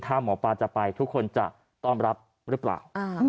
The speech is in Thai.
ถ้าหมอปลาจะไปทุกคนจะต้อนรับหรือเปล่า